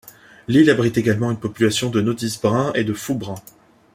L'île abrite également une population de noddis bruns et de fous bruns.